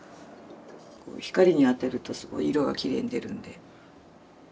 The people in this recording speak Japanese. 光に当てるとすごい色がきれいに出るんで。